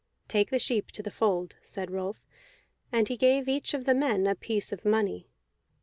"Take the sheep to the fold," said Rolf, and he gave each of the men a piece of money.